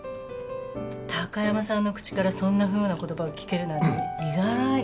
高山さんの口からそんなふうな言葉を聞けるなんて意外。